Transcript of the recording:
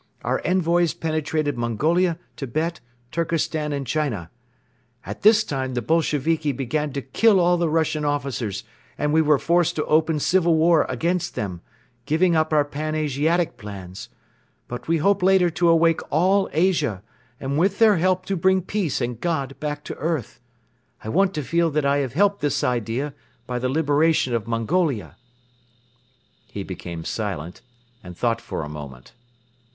Our envoys penetrated Mongolia, Tibet, Turkestan and China. At this time the Bolsheviki began to kill all the Russian officers and we were forced to open civil war against them, giving up our Pan Asiatic plans; but we hope later to awake all Asia and with their help to bring peace and God back to earth. I want to feel that I have helped this idea by the liberation of Mongolia." He became silent and thought for a moment.